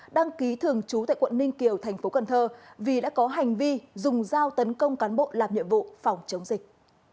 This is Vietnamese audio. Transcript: đăng ký thường trú tại quận ninh kiều thành phố cần thơ vì đã có hành vi dùng dao tấn công cán bộ làm nhiệm vụ phòng chống dịch